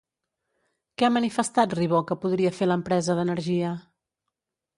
Què ha manifestat Ribó que podria fer l'empresa d'energia?